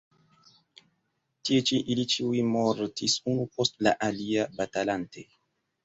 Tie ĉi ili ĉiuj mortis unu post la alia batalante.